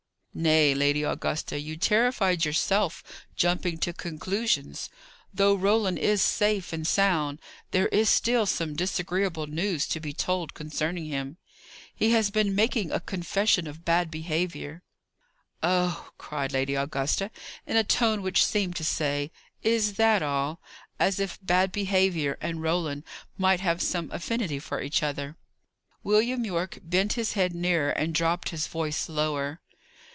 "Nay, Lady Augusta, you terrified yourself, jumping to conclusions. Though Roland is safe and sound, there is still some very disagreeable news to be told concerning him. He has been making a confession of bad behaviour." "Oh," cried Lady Augusta, in a tone which seemed to say, "Is that all?" as if bad behaviour and Roland might have some affinity for each other. William Yorke bent his head nearer, and dropped his voice lower.